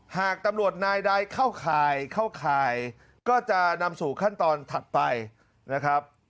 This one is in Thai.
หากตำรวจนายใดเข้าข่ายเข้าข่ายก็จะนำสู่ขั้นตอนถัดไปนะครับ